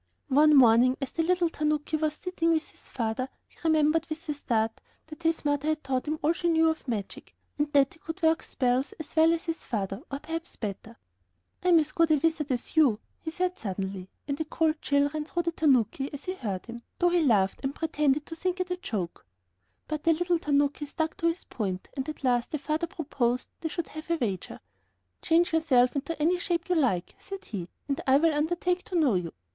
One morning, as the little tanuki was sitting with his father, he remembered, with a start, that his mother had taught him all she knew of magic, and that he could work spells as well as his father, or perhaps better. "I am as good a wizard as you," he said suddenly, and a cold chill ran through the tanuki as he heard him, though he laughed, and pretended to think it a joke. But the little tanaki stuck to his point, and at last the father proposed they should have a wager. "Change yourself into any shape you like," said he, "and I will undertake to know you.